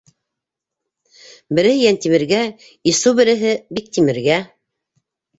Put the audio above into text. Береһе Йәнтимергә, иссу береһе Биктимергә...